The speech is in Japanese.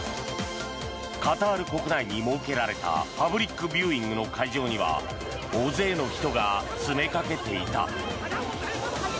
カタール国内に設けられたパブリックビューイングの会場には大勢の人が詰めかけていた。